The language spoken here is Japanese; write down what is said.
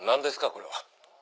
これは。